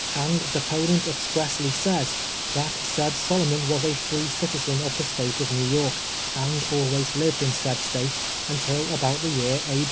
And depo nent expressly says, that said Solonaon was a free citizen of the State of New York, and always lived in sai<i State, until about the year A.